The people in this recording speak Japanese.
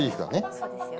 そうですよ。